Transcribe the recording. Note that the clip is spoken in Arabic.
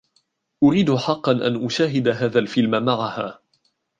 أريد حقا أن أشاهد هذا الفيلم معها.